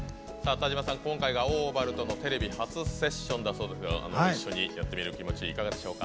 田島さん、今回がＯｖａｌｌとのテレビ初セッションということで一緒にやってみる気持ちいかがでしょうか？